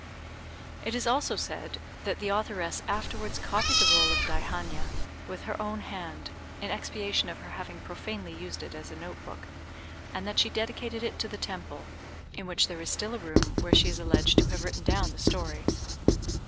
It is also said that the authoress afterwards copied the roll of Daihannia with her own hand, in expiation of her having profanely used it as a notebook, and that she dedicated it to the Temple, in which there is still a room where she is alleged to have written down the story.